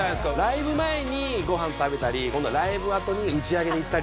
ライブ前にご飯食べたり今度はライブあとに打ち上げで行ったりもできるんですよ